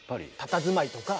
たたずまいとか。